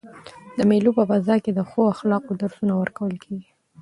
د مېلو په فضا کښي د ښو اخلاقو درسونه ورکول کیږي.